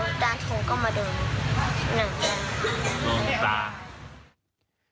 ครอบนี้เขาก็เล่นไปด้วยแล้วหนูก็เก็บทงประมาณหลายอันอยู่